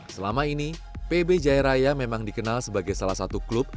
selama ini pb jaya raya memang dikenal sebagai salah satu klub